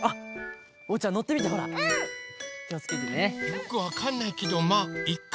よくわかんないけどまあいっか。